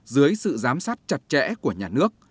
dưới sự giám sát chặt chẽ của nhà nước